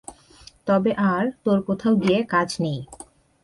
তবে আর তোর কোথাও গিয়ে কাজ নেই।